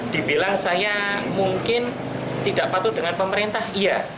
dibilang saya mungkin tidak patuh dengan pemerintah iya